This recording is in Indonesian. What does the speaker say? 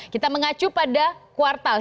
kita mengacu pada kuartal